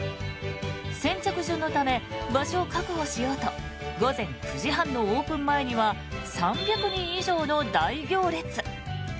先着順のため場所を確保しようと午前９時半のオープン前には３００人以上の大行列。